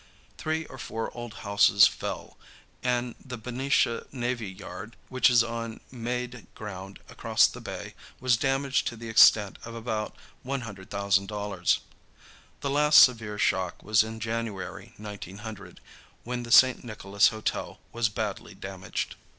Three or four old houses fell, and the Benicia Navy Yard, which is on made ground across the bay, was damaged to the extent of about $100,000. The last severe shock was in January, 1900, when the St. Nicholas Hotel was badly damaged.